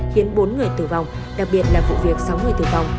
khiến bốn người tử vong đặc biệt là vụ việc sáu người tử vong